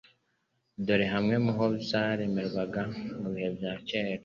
Dore hamwe muho zaremerwaga mu bihe bya kera :